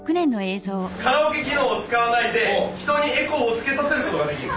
カラオケ機能を使わないで人にエコーをつけさせることができる。